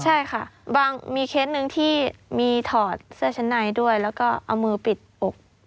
ใช่ค่ะบางมีเคสหนึ่งที่มีถอดเสื้อชั้นในด้วยแล้วก็เอามือปิดอก